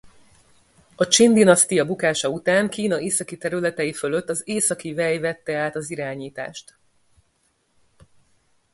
A Csin-dinasztia bukása után Kína északi területei fölött az Északi-Vej vette át az irányítást.